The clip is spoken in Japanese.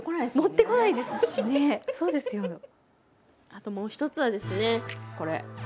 あともう一つはですねこれ。